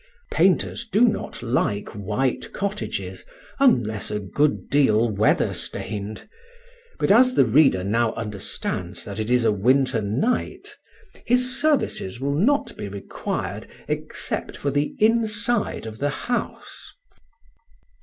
Painters do not like white cottages, unless a good deal weather stained; but as the reader now understands that it is a winter night, his services will not be required except for the inside of the house.